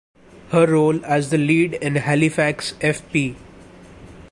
Her role as the lead in Halifax f.p.